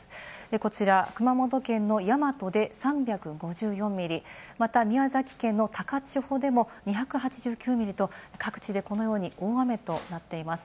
こちら熊本県の山都で３５４ミリ、また宮崎県の高千穂でも２８９ミリと各地でこのように大雨となっています。